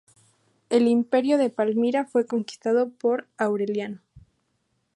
El imperio de Palmira fue reconquistado por Aureliano.